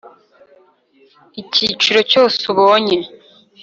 Icyiciro cyse ubonye